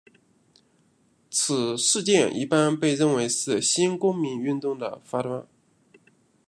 此事件一般被认为是新公民运动的发端。